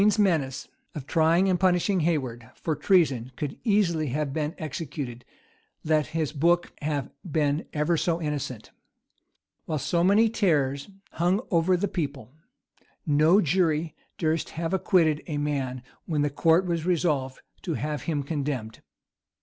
The queen's menace of trying and punishing Haywarde for treason could easily have been executed, let his book have been ever so innocent. While so many terrors hung over the people, no jury durst have acquitted a man when the court was resolved to have him condemned.